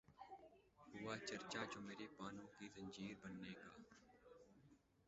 ہوا چرچا جو میرے پانو کی زنجیر بننے کا